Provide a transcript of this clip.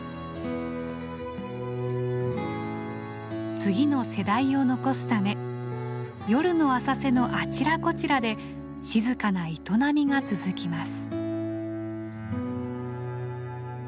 次の世代を残すため夜の浅瀬のあちらこちらで静かな営みが続きます。